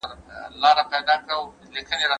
چي هر ځای به څو مرغان سره جرګه سوه